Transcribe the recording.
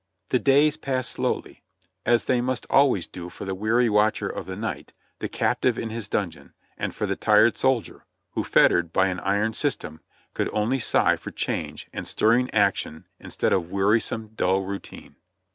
The days passed slowly, as they must always do for the weary watcher of the night, the captive in his dungeon and for the tired soldier, who, fettered by an iron system, could only sigh for change and stirring action instead of wearisome, dull routine.